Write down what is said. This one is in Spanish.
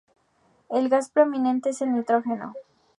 El gas predominante es el nitrógeno.